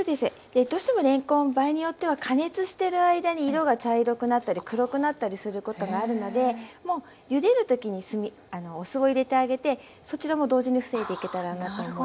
どうしてもれんこん場合によっては加熱してる間に色が茶色くなったり黒くなったりすることがあるのでもうゆでる時にお酢を入れてあげてそちらも同時に防いでいけたらなと思います。